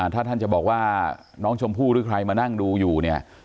ถ้าท่านจะบอกว่าน้องชมพู่หรือใครมานั่งดูอยู่เนี่ย